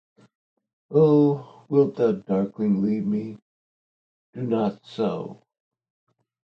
O, wilt thou darkling leave me? do not so.